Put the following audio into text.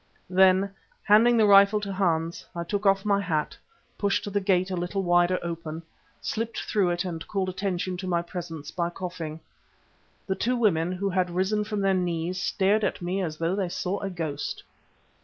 Then, handing the rifle to Hans, I took off my hat, pushed the gate a little wider open, slipped through it and called attention to my presence by coughing. The two women, who had risen from their knees, stared at me as though they saw a ghost.